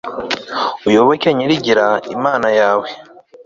uyoboke nyirigira, imana yawe